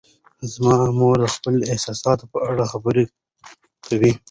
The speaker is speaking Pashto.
زما مور د خپلو احساساتو په اړه خبرې کوي.